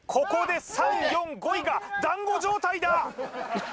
ここで３４５位が団子状態だ！